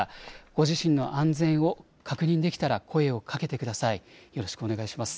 ご自身の安全を確認できたら声をかけてください。